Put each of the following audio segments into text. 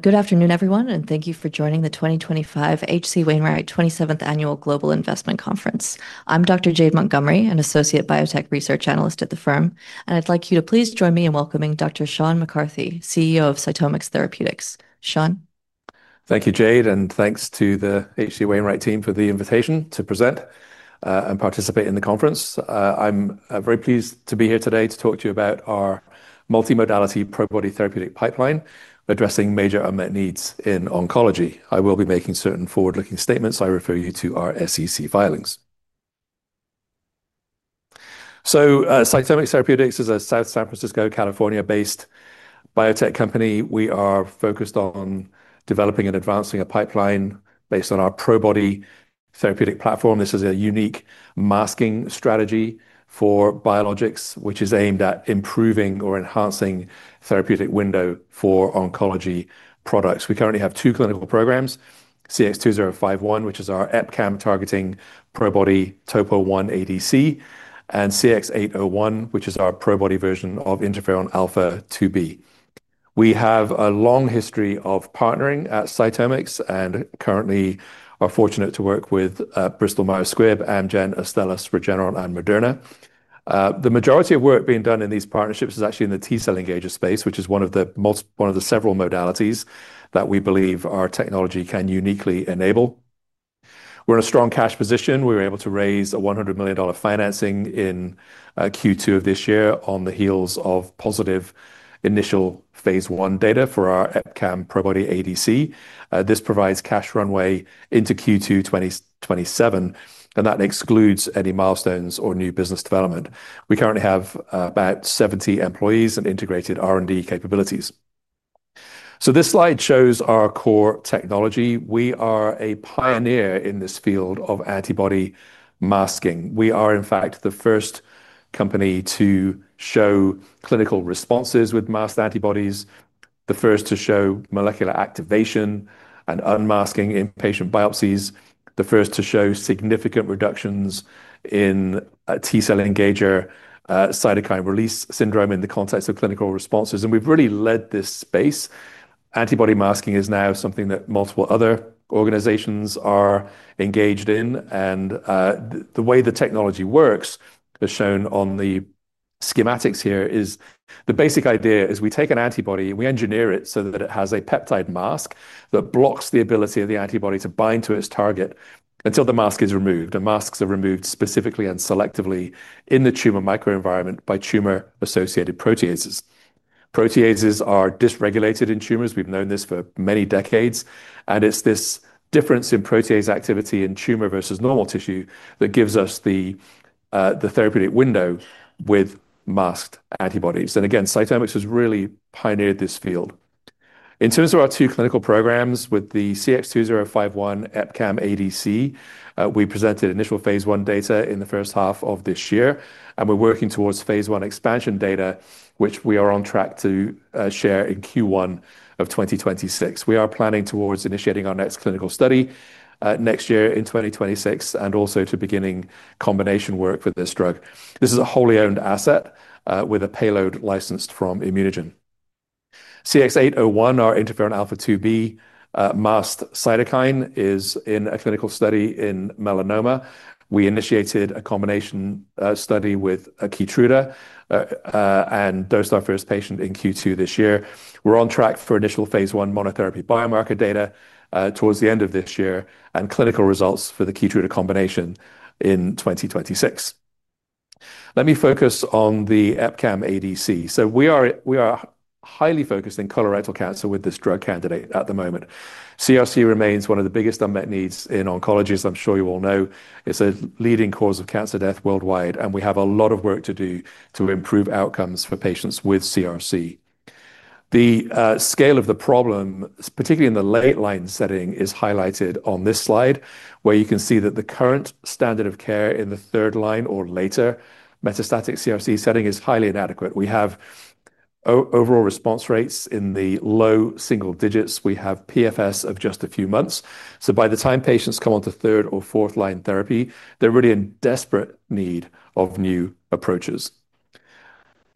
Good afternoon, everyone, and thank you for joining the 2025 HC Wainwright 27th Annual Global Investment Conference. I'm Dr. Jade Montgomery, an Associate Biotech Research Analyst at the firm, and I'd like you to please join me in welcoming Dr. Sean McCarthy, CEO of CytomX Therapeutics. Sean? Thank you, Jade, and thanks to the HC Wainwright team for the invitation to present and participate in the conference. I'm very pleased to be here today to talk to you about our multimodality Probody therapeutic pipeline addressing major unmet needs in oncology. I will be making certain forward-looking statements. I refer you to our SEC filings. CytomX Therapeutics is a South San Francisco, California-based biotech company. We are focused on developing and advancing a pipeline based on our Probody therapeutic platform. This is a unique masking strategy for biologics, which is aimed at improving or enhancing the therapeutic window for oncology products. We currently have two clinical programs: CX2051, which is our EpCAM targeting Probody Topoisomerase 1 ADC, and CX801, which is our Probody version of Interferon Alpha 2B. We have a long history of partnering at CytomX and currently are fortunate to work with Bristol Myers Squibb and Moderna. The majority of work being done in these partnerships is actually in the T-cell engager space, which is one of the several modalities that we believe our technology can uniquely enable. We're in a strong cash position. We were able to raise a $100 million financing in Q2 of this year on the heels of positive initial phase one data for our EpCAM Probody ADC. This provides cash runway into Q2 2027, and that excludes any milestones or new business development. We currently have about 70 employees and integrated R&D capabilities. This slide shows our core technology. We are a pioneer in this field of antibody masking. We are, in fact, the first company to show clinical responses with masked antibodies, the first to show molecular activation and unmasking in patient biopsies, the first to show significant reductions in T-cell engager cytokine release syndrome in the context of clinical responses. We've really led this space. Antibody masking is now something that multiple other organizations are engaged in, and the way the technology works, as shown on the schematics here, is the basic idea is we take an antibody and we engineer it so that it has a peptide mask that blocks the ability of the antibody to bind to its target until the mask is removed. The masks are removed specifically and selectively in the tumor microenvironment by tumor-associated proteases. Proteases are dysregulated in tumors. We've known this for many decades, and it's this difference in protease activity in tumor versus normal tissue that gives us the therapeutic window with masked antibodies. CytomX has really pioneered this field. In terms of our two clinical programs with the CX2051 EpCAM ADC, we presented initial phase one data in the first half of this year, and we're working towards phase one expansion data, which we are on track to share in Q1 of 2026. We are planning towards initiating our next clinical study next year in 2026, and also to begin combination work with this drug. This is a wholly owned asset with a payload licensed from Immunogen. CX801, our Interferon Alpha 2B masked cytokine, is in a clinical study in melanoma. We initiated a combination study with Keytruda and dosed our first patient in Q2 this year. We're on track for initial phase one monotherapy biomarker data towards the end of this year and clinical results for the Keytruda combination in 2026. Let me focus on the EpCAM ADC. We are highly focused in colorectal cancer with this drug candidate at the moment. CRC remains one of the biggest unmet needs in oncology, as I'm sure you all know. It's a leading cause of cancer death worldwide, and we have a lot of work to do to improve outcomes for patients with CRC. The scale of the problem, particularly in the late line setting, is highlighted on this slide, where you can see that the current standard of care in the third line or later metastatic CRC setting is highly inadequate. We have overall response rates in the low single digits. We have PFS of just a few months. By the time patients come onto third or fourth line therapy, they're really in desperate need of new approaches.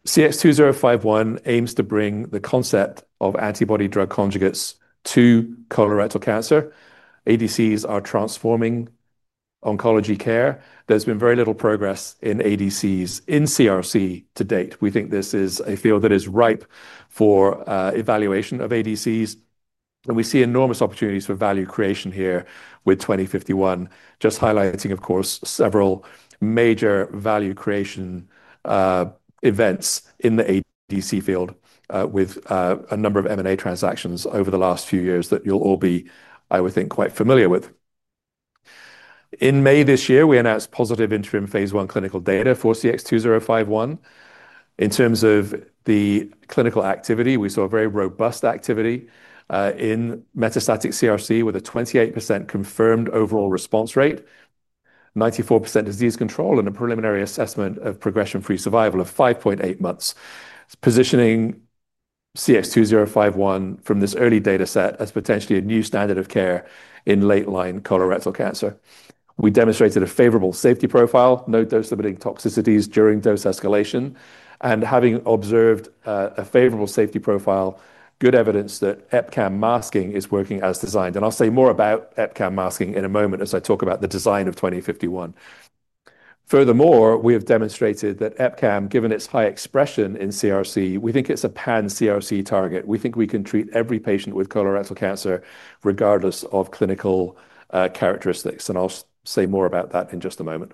CX2051 aims to bring the concept of antibody-drug conjugates to colorectal cancer. ADCs are transforming oncology care. There's been very little progress in ADCs in CRC to date. We think this is a field that is ripe for evaluation of ADCs, and we see enormous opportunities for value creation here with 2051, just highlighting, of course, several major value creation events in the ADC field with a number of M&A transactions over the last few years that you'll all be, I would think, quite familiar with. In May this year, we announced positive interim phase one clinical data for CX2051. In terms of the clinical activity, we saw very robust activity in metastatic CRC with a 28% confirmed overall response rate, 94% disease control, and a preliminary assessment of progression-free survival of 5.8 months, positioning CX2051 from this early dataset as potentially a new standard of care in late line colorectal cancer. We demonstrated a favorable safety profile, no dose-limiting toxicities during dose escalation, and having observed a favorable safety profile, good evidence that EpCAM masking is working as designed. I'll say more about EpCAM masking in a moment as I talk about the design of CX2051. Furthermore, we have demonstrated that EpCAM, given its high expression in CRC, we think it's a pan-CRC target. We think we can treat every patient with colorectal cancer regardless of clinical characteristics, and I'll say more about that in just a moment.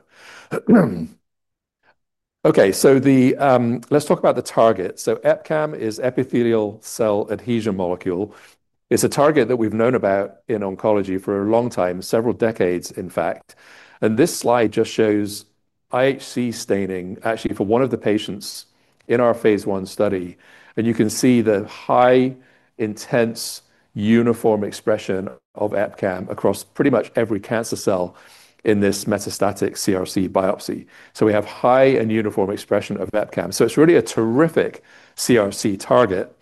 Let's talk about the target. EpCAM is an epithelial cell adhesion molecule. It's a target that we've known about in oncology for a long time, several decades, in fact. This slide just shows IHC staining actually for one of the patients in our phase one study. You can see the high, intense, uniform expression of EpCAM across pretty much every cancer cell in this metastatic CRC biopsy. We have high and uniform expression of EpCAM, so it's really a terrific CRC target.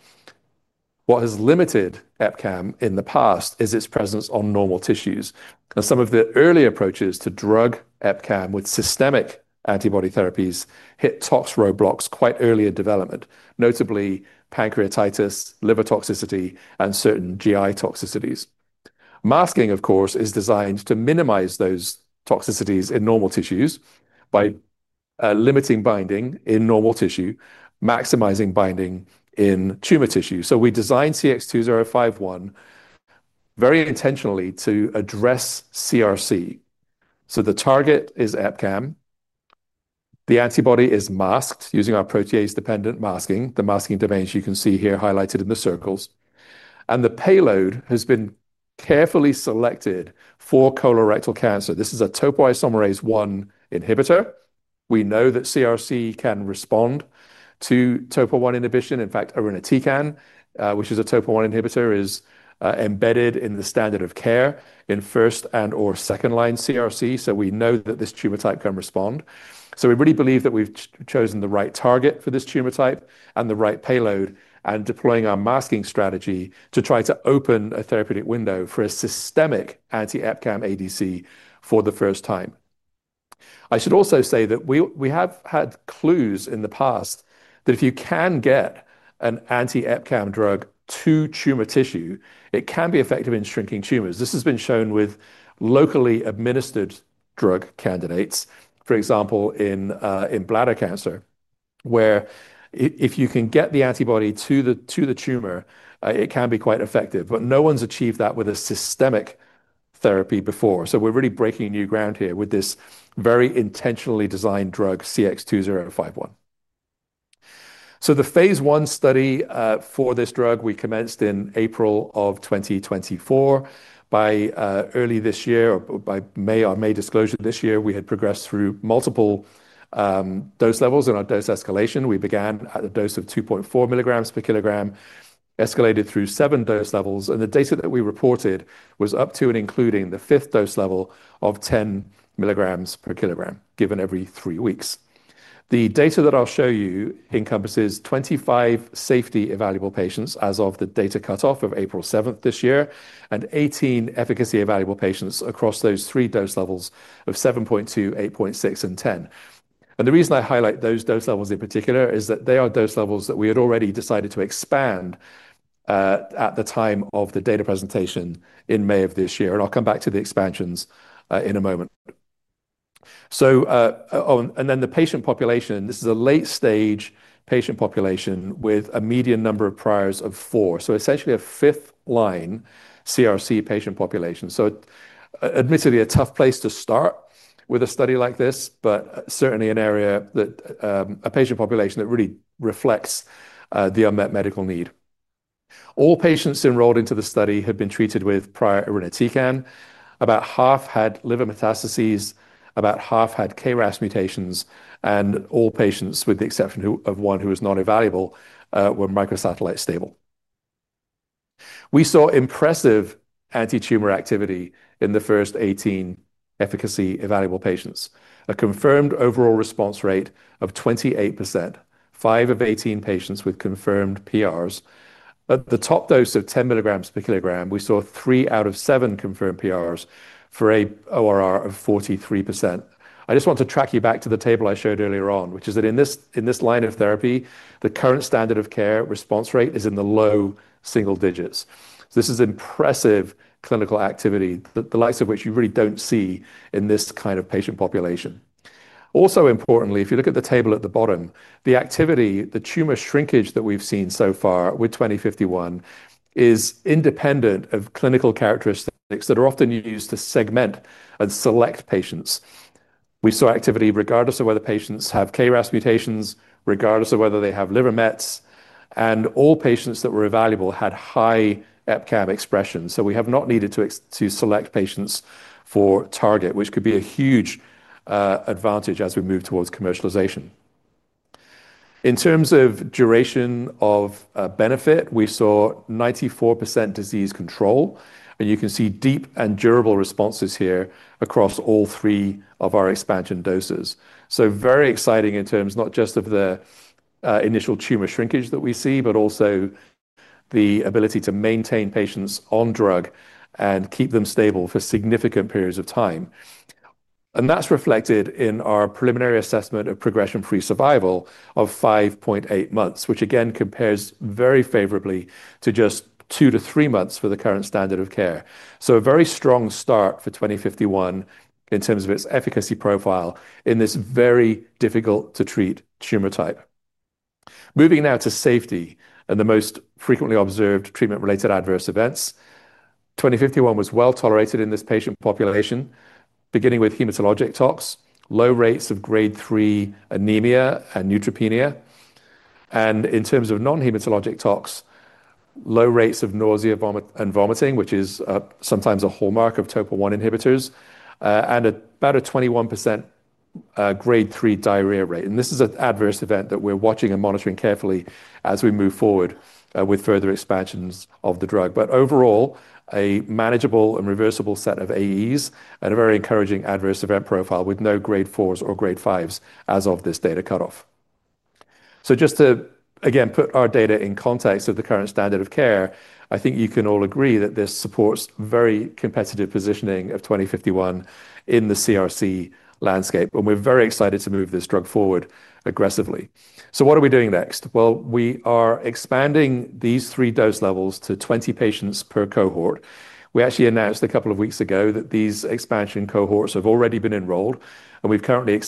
What has limited EpCAM in the past is its presence on normal tissues. Some of the early approaches to drug EpCAM with systemic antibody therapies hit tox roadblocks quite early in development, notably pancreatitis, liver toxicity, and certain GI toxicities. Masking is designed to minimize those toxicities in normal tissues by limiting binding in normal tissue, maximizing binding in tumor tissue. We designed CX2051 very intentionally to address CRC. The target is EpCAM. The antibody is masked using our protease-dependent masking. The masking domains you can see here highlighted in the circles. The payload has been carefully selected for colorectal cancer. This is a topoisomerase 1 inhibitor. We know that CRC can respond to TOPO1 inhibition. In fact, irinotecan, which is a TOPO1 inhibitor, is embedded in the standard of care in first and/or second line CRC. We know that this tumor type can respond. We really believe that we've chosen the right target for this tumor type and the right payload and deploying our masking strategy to try to open a therapeutic window for a systemic anti-EpCAM ADC for the first time. I should also say that we have had clues in the past that if you can get an anti-EpCAM drug to tumor tissue, it can be effective in shrinking tumors. This has been shown with locally administered drug candidates, for example, in bladder cancer, where if you can get the antibody to the tumor, it can be quite effective. No one's achieved that with a systemic therapy before. We're really breaking new ground here with this very intentionally designed drug, CX2051. The phase one study for this drug commenced in April 2024. By early this year, or by our May disclosure this year, we had progressed through multiple dose levels in our dose escalation. We began at a dose of 2.4 milligrams per kilogram, escalated through seven dose levels, and the data that we reported was up to and including the fifth dose level of 10 milligrams per kilogram, given every three weeks. The data that I'll show you encompasses 25 safety evaluable patients as of the data cutoff of April 7, 2024, and 18 efficacy evaluable patients across those three dose levels of 7.2, 8.6, and 10. The reason I highlight those dose levels in particular is that they are dose levels that we had already decided to expand at the time of the data presentation in May 2024. I'll come back to the expansions in a moment. The patient population is a late-stage patient population with a median number of priors of four, essentially a fifth line CRC patient population. Admittedly, a tough place to start with a study like this, but certainly a patient population that really reflects the unmet medical need. All patients enrolled into the study had been treated with prior irinotecan. About half had liver metastases, about half had KRAS mutations, and all patients, with the exception of one who was not evaluable, were microsatellite stable. We saw impressive anti-tumor activity in the first 18 efficacy evaluable patients, a confirmed overall response rate of 28%, 5 of 18 patients with confirmed PRs. At the top dose of 10 milligrams per kilogram, we saw 3 out of 7 confirmed PRs for an ORR of 43%. I just want to track you back to the table I showed earlier on, which is that in this line of therapy, the current standard of care response rate is in the low single digits. This is impressive clinical activity, the likes of which you really don't see in this kind of patient population. Also, importantly, if you look at the table at the bottom, the activity, the tumor shrinkage that we've seen so far with CX2051, is independent of clinical characteristics that are often used to segment and select patients. We saw activity regardless of whether patients have KRAS mutations, regardless of whether they have liver mets, and all patients that were evaluable had high EpCAM expression. We have not needed to select patients for target, which could be a huge advantage as we move towards commercialization. In terms of duration of benefit, we saw 94% disease control, and you can see deep and durable responses here across all three of our expansion doses. This is very exciting in terms not just of the initial tumor shrinkage that we see, but also the ability to maintain patients on drug and keep them stable for significant periods of time. That is reflected in our preliminary assessment of progression-free survival of 5.8 months, which again compares very favorably to just two to three months for the current standard of care. This is a very strong start for CX2051 in terms of its efficacy profile in this very difficult-to-treat tumor type. Moving now to safety and the most frequently observed treatment-related adverse events, CX2051 was well tolerated in this patient population, beginning with hematologic toxicities, low rates of grade 3 anemia and neutropenia. In terms of non-hematologic toxicities, low rates of nausea and vomiting, which is sometimes a hallmark of Topo1 inhibitors, and about a 21% grade 3 diarrhea rate. This is an adverse event that we're watching and monitoring carefully as we move forward with further expansions of the drug. Overall, a manageable and reversible set of AEs and a very encouraging adverse event profile with no grade 4s or grade 5s as of this data cutoff. Just to again put our data in context of the current standard of care, I think you can all agree that this supports very competitive positioning of CX2051 in the CRC landscape, and we're very excited to move this drug forward aggressively. What are we doing next? We are expanding these three dose levels to 20 patients per cohort. We actually announced a couple of weeks ago that these expansion cohorts have already been enrolled, and we've currently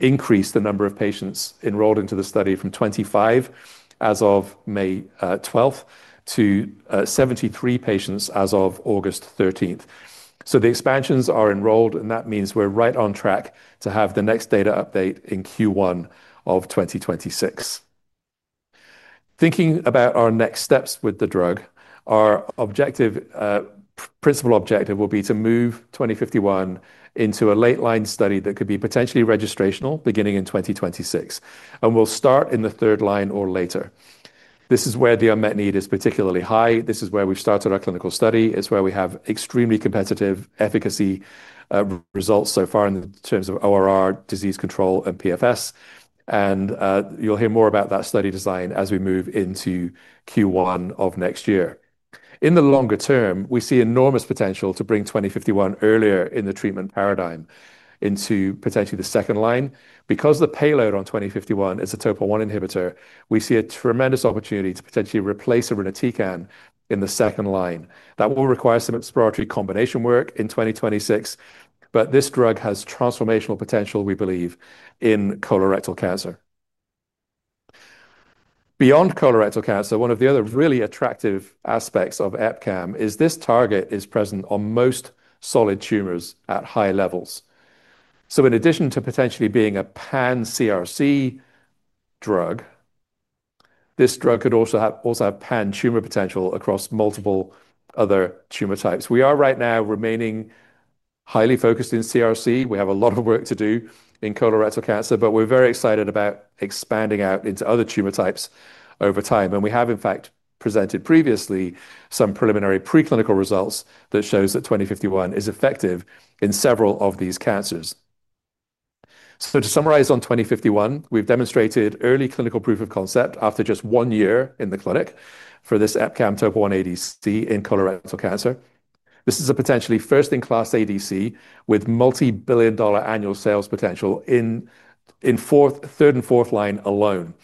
increased the number of patients enrolled into the study from 25 as of May 12th to 73 patients as of August 13th. The expansions are enrolled, and that means we're right on track to have the next data update in Q1 of 2026. Thinking about our next steps with the drug, our principal objective will be to move CX2051 into a late line study that could be potentially registrational beginning in 2026, and we'll start in the third line or later. This is where the unmet need is particularly high. This is where we've started our clinical study. It's where we have extremely competitive efficacy results so far in terms of overall response rate, disease control, and PFS. You'll hear more about that study design as we move into Q1 of next year. In the longer term, we see enormous potential to bring CX2051 earlier in the treatment paradigm into potentially the second line. Because the payload on CX2051 is a TOPO1 inhibitor, we see a tremendous opportunity to potentially replace irinotecan in the second line. That will require some exploratory combination work in 2026, but this drug has transformational potential, we believe, in colorectal cancer. Beyond colorectal cancer, one of the other really attractive aspects of EpCAM is this target is present on most solid tumors at high levels. In addition to potentially being a pan-CRC drug, this drug could also have pan-tumor potential across multiple other tumor types. We are right now remaining highly focused in CRC. We have a lot of work to do in colorectal cancer, but we're very excited about expanding out into other tumor types over time. We have, in fact, presented previously some preliminary preclinical results that show that CX2051 is effective in several of these cancers. To summarize on CX2051, we've demonstrated early clinical proof of concept after just one year in the clinic for this EpCAM TOPO1 ADC in colorectal cancer. This is a potentially first-in-class ADC with multi-billion dollar annual sales potential in third and fourth line alone.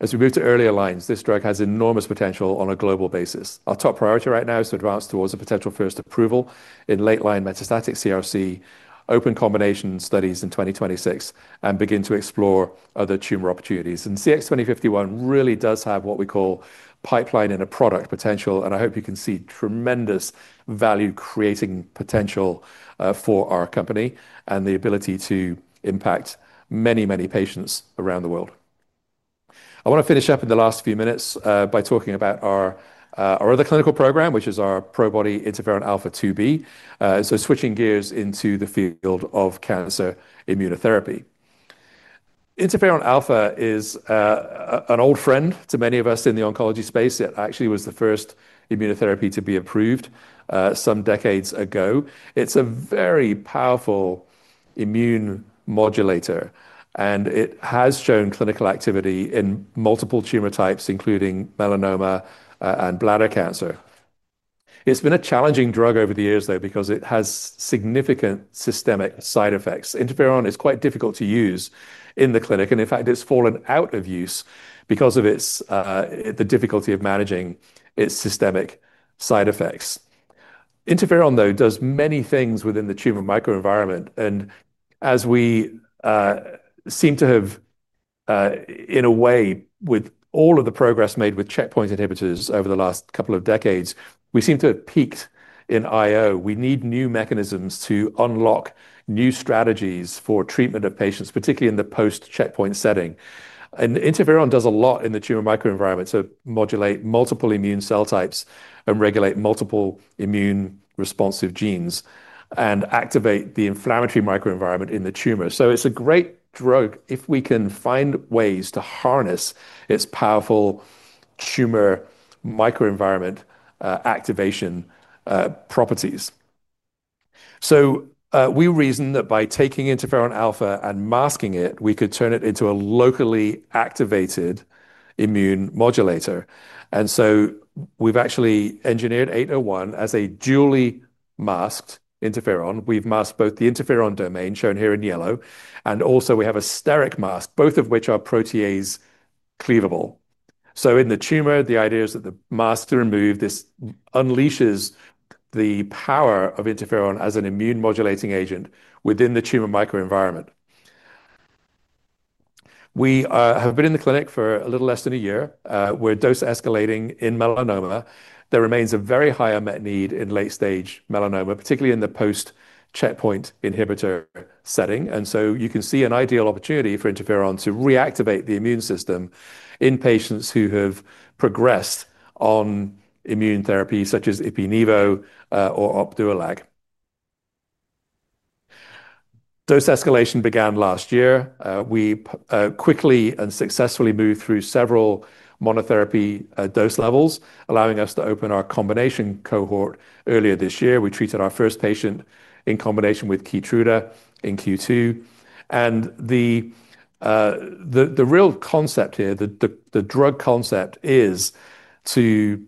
As we move to earlier lines, this drug has enormous potential on a global basis. Our top priority right now is to advance towards a potential first approval in late line metastatic CRC, open combination studies in 2026, and begin to explore other tumor opportunities. CX2051 really does have what we call pipeline-in-a-product potential, and I hope you can see tremendous value-creating potential for our company and the ability to impact many, many patients around the world. I want to finish up in the last few minutes by talking about our other clinical program, which is our Probody Interferon Alpha 2B. Switching gears into the field of cancer immunotherapy, Interferon Alpha is an old friend to many of us in the oncology space. It actually was the first immunotherapy to be approved some decades ago. It's a very powerful immune modulator, and it has shown clinical activity in multiple tumor types, including melanoma and bladder cancer. It's been a challenging drug over the years, though, because it has significant systemic side effects. Interferon is quite difficult to use in the clinic, and in fact, it's fallen out of use because of the difficulty of managing its systemic side effects. Interferon does many things within the tumor microenvironment, and as we seem to have, in a way, with all of the progress made with checkpoint inhibitors over the last couple of decades, we seem to have peaked in IO. We need new mechanisms to unlock new strategies for treatment of patients, particularly in the post-checkpoint setting. Interferon does a lot in the tumor microenvironment to modulate multiple immune cell types and regulate multiple immune responsive genes and activate the inflammatory microenvironment in the tumor. It's a great drug if we can find ways to harness its powerful tumor microenvironment activation properties. We reason that by taking Interferon Alpha and masking it, we could turn it into a locally activated immune modulator. We've actually engineered CX801 as a dually masked Interferon. We've masked both the Interferon domain, shown here in yellow, and also we have a steric mask, both of which are protease cleavable. In the tumor, the idea is that the mask removal unleashes the power of Interferon as an immune modulating agent within the tumor microenvironment. We have been in the clinic for a little less than a year. We're dose escalating in melanoma. There remains a very high unmet need in late-stage melanoma, particularly in the post-checkpoint inhibitor setting. You can see an ideal opportunity for Interferon to reactivate the immune system in patients who have progressed on immune therapy such as Ipi/Nivo or Opduro/Lag. Dose escalation began last year. We quickly and successfully moved through several monotherapy dose levels, allowing us to open our combination cohort earlier this year. We treated our first patient in combination with Keytruda in Q2. The real concept here, the drug concept, is to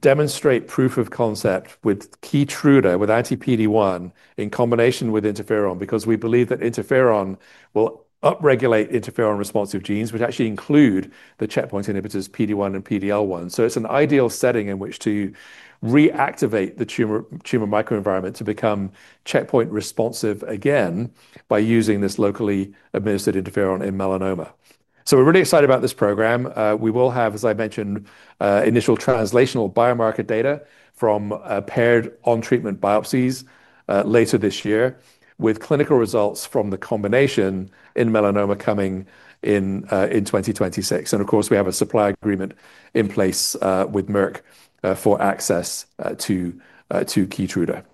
demonstrate proof of concept with Keytruda, with anti-PD-1, in combination with Interferon, because we believe that Interferon will upregulate Interferon responsive genes, which actually include the checkpoint inhibitors PD-1 and PD-L1. It's an ideal setting in which to reactivate the tumor microenvironment to become checkpoint responsive again by using this locally administered Interferon in melanoma. We're really excited about this program. We will have, as I mentioned, initial translational biomarker data from paired on-treatment biopsies later this year, with clinical results from the combination in melanoma coming in 2026. We have a supply agreement in place with Merck for access to Keytruda.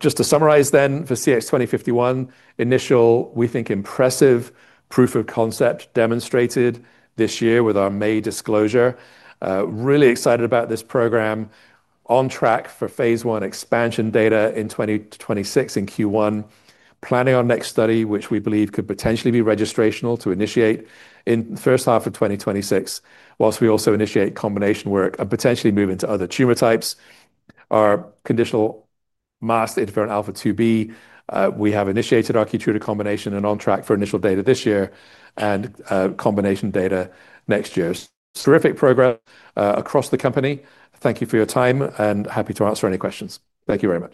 Just to summarize then, for CX2051, initial, we think, impressive proof of concept demonstrated this year with our May disclosure. Really excited about this program. On track for phase one expansion data in 2026 in Q1. Planning our next study, which we believe could potentially be registrational to initiate in the first half of 2026, whilst we also initiate combination work and potentially move into other tumor types. Our conditional masked Interferon Alpha 2B, we have initiated our Keytruda combination and on track for initial data this year and combination data next year. It's a terrific program across the company. Thank you for your time and happy to answer any questions. Thank you very much.